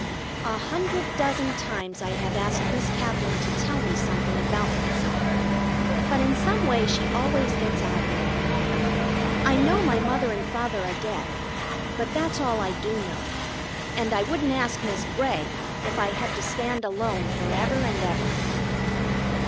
A hundred dozen times I have asked Miss Katherine to tell me something about myself, but in some way she always gets out of it. I know my mother and father are dead, but that's all I do know; and I wouldn't ask Miss Bray if I had to stand alone for ever and ever.